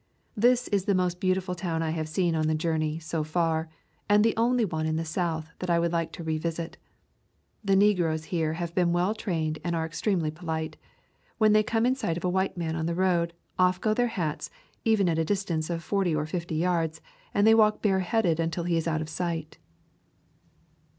This is the most beautiful town I have seen on the journey, so far, and the only one in the South that I would like to revisit. The negroes here have been well trained and are extremely polite. When they come in sight of a white man on the road, off go their hats, even at a distance of forty or fifty yards, and they walk bare headed until he is out of sight.